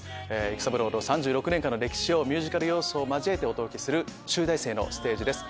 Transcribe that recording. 育三郎の３６年間の歴史をミュージカル要素を交えてお届けする集大成のステージです。